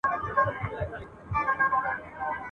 واخله د خزان سندره زه به درته یاد سمه ..